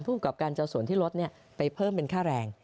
ประกอบการจะเอาส่วนที่ลดไปเพิ่มเป็นค่าแรง